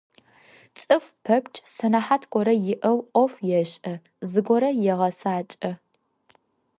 Цӏыфы пэпчъ сэнэхьат горэ иӏэу ӏоф ешӏэ, зыгорэ егъэцакӏэ.